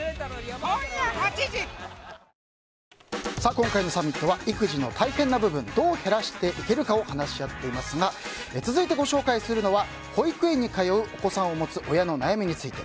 今回のサミットは育児の大変な部分どう減らしていけるかを話し合っていますが続いてご紹介するのは保育園に通うお子さんを持つ親の悩みについて。